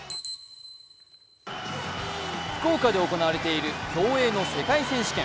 福岡で行われている競泳の世界選手権。